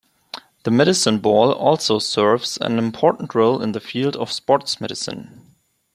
The medicine ball also serves an important role in the field of sports medicine.